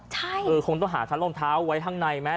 ใช่เออคงต้องหาชั้นรองเท้าไว้ข้างในไหม